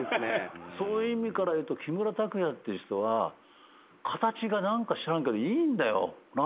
そういう意味からいうと木村拓哉っていう人は形が何か知らんけどいいんだよ。